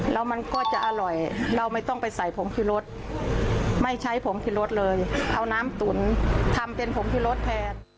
แล้วมันก็จะอร่อยเราไม่ต้องไปใส่ผมคือรสไม่ใช้ผมคือรสเลยเอาน้ำตุ๋นทำเป็นผมที่รสแทน